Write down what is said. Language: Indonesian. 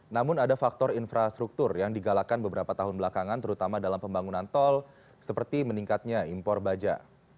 namun ada faktor infrastruktur yang digalakan beberapa tahun belakangan terutama dalam pembangunan tol seperti meningkatnya impor baja